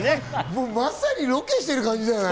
まさにロケしてる感じだよね。